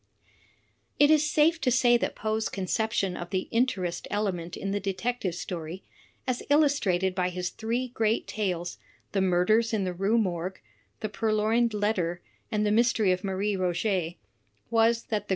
It is safe to say that Poe's conception of the interest ele ment in the Detective Story, as illustrated by his three great tales, "The Murders in the Rue Morgue," "The Purloined Letter," and "The Mystery of Marie R6get," was that t he \A^